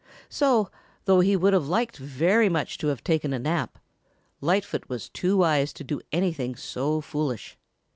So, though he would have liked very much to have taken a nap, Lightfoot was too wise to do anything so foolish.